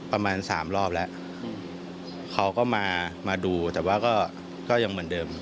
ประมาณสามรอบแล้วเขาก็มามาดูแต่ว่าก็ยังเหมือนเดิม